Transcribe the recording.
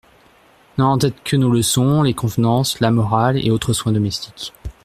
N'a en tête que nos leçons, les convenances, la morale et autres soins domestiques.